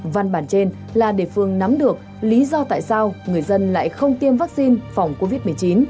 văn bản trên là địa phương nắm được lý do tại sao người dân lại không tiêm vaccine phòng covid một mươi chín